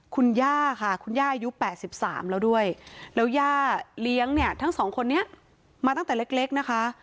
คุณย่าค่ะคุณย่าอายุ๘๓แล้วด้วยแล้วย่าเลี้ยงเนี่ยทั้งสองคนนี้มาตั้งแต่เล็กนะคะ